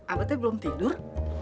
amu teh belum tidur